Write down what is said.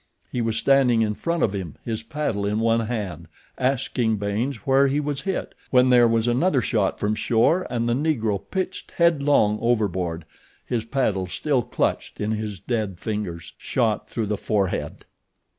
He was standing in front of him, his paddle in one hand, asking Baynes where he was hit when there was another shot from shore and the Negro pitched head long overboard, his paddle still clutched in his dead fingers—shot through the forehead.